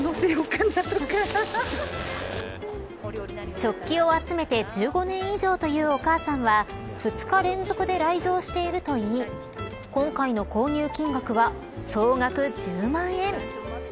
食器を集めて１５年以上というお母さんは２日連続で来場しているといい今回の購入金額は総額１０万円。